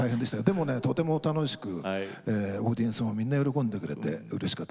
でもねとても楽しくオーディエンスもみんな喜んでくれてうれしかったですね。